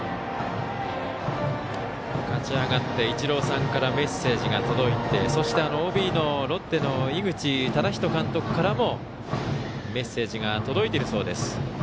勝ち上がってイチローさんからメッセージが届いてそして、ＯＢのロッテの井口資仁監督からもメッセージが届いているそうです。